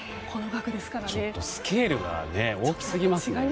スケールが大きすぎますね。